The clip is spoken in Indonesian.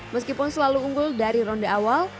meskipun selalu unggul dari ronde awal